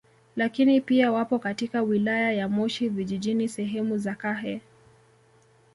Lakini pia wapo katika wilaya ya Moshi Vijijini sehemu za Kahe